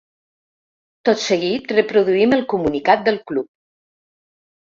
Tot seguit, reproduïm el comunicat del club.